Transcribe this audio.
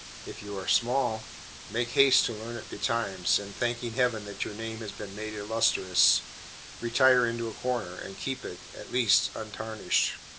If you are small, make haste to learn it betimes, and, thanking heaven that your name has been made illustrious, retire into a corner and keep it, at least, untarnished.